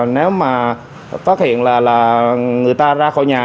nếu mà phát hiện là người ta ra khỏi nhà